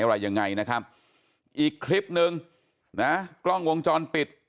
อะไรยังไงนะครับอีกคลิปนึงนะกล้องวงจรปิด